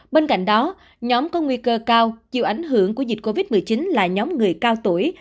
bên cạnh đó nhóm có nguy cơ cao chịu ảnh hưởng của dịch covid một mươi chín là nhóm người cao tuổi